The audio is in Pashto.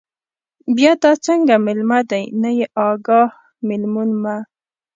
بیا دا څنگه مېلمه دے، نه يې اگاه، مېلمون مه